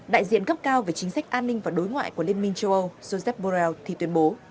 đại diện cấp cao về chính sách an ninh và đối ngoại của liên minh châu âu josephor thì tuyên bố